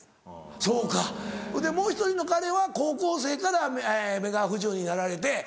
そうかそれでもう１人の彼は高校生から目が不自由になられて。